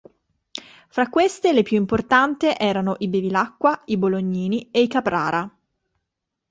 Fra queste le più importante erano i Bevilacqua, i Bolognini e i Caprara.